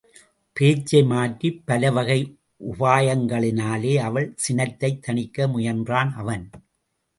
பேச்சை மாற்றிப் பல வகை உபாயங்களினாலே அவள் சினத்தைத் தணிக்க முயன்றான் அவன்.